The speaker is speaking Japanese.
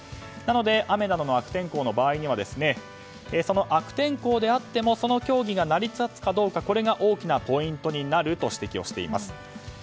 なので雨などの悪天候の場合にはその悪天候であっても競技が成り立つかどうかがこれが大きなポイントになると指摘しています。